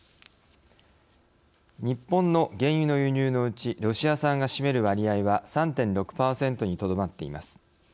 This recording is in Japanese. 日本の原油の輸入のうちロシア産が占める割合は３．６％にとどまっています。